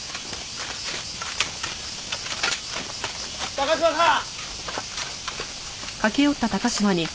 高嶋さん！